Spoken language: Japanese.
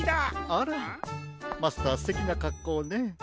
あらマスターすてきなかっこうね。